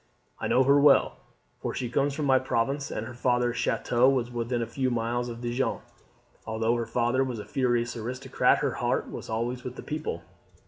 I know her well, for she comes from my province, and her father's chateau was within a few miles of Dijon. Although her father was a furious aristocrat, her heart was always with the people.